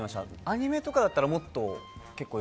アニメとかだったら、もっと。